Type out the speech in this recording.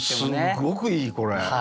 すっごくいいこれ。